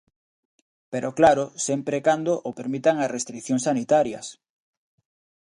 Pero claro, sempre e cando o permitan as restricións sanitarias.